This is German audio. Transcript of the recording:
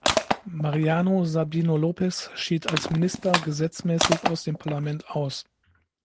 Mariano Sabino Lopes schied als Minister gesetzmäßig aus dem Parlament aus.